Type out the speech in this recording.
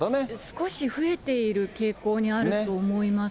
少し増えている傾向にあると思いますね。